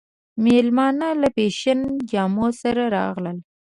مېلمانه له فېشني جامو سره راغلل.